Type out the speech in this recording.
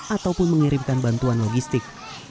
ataupun mengirimkan bantuan logistik